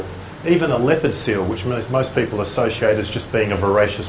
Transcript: bahkan kerel lepid yang dikaitkan dengan pengguna pengguna yang beragam